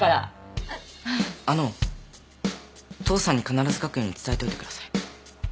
あの父さんに必ず書くように伝えといてください。